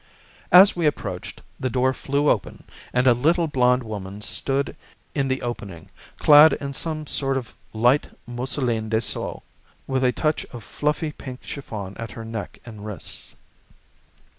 As we approached, the door flew open, and a little blonde woman stood in the opening, clad in some sort of light mousseline de soie, with a touch of fluffy pink chiffon at her neck and wrists.